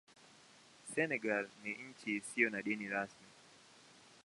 Senegal ni nchi isiyo na dini rasmi.